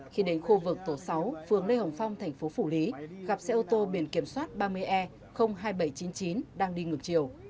khi đến khu vực tổ sáu phường lê hồng phong thành phố phủ lý gặp xe ô tô biển kiểm soát ba mươi e hai nghìn bảy trăm chín mươi chín đang đi ngược chiều